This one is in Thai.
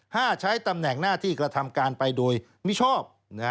ให้ใช้ตำแหน่งหน้าที่กระทำการไปโดยมิชอบ